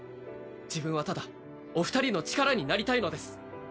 自分はただお二人の力になりたいのです